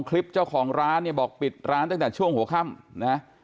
คลิปเจ้าของร้านเนี่ยบอกปิดร้านตั้งแต่ช่วงหัวค่ำนะ